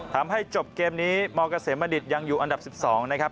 ทำให้จบเกมนี้มกาเสมอดิตยังอยู่อันดับ๑๒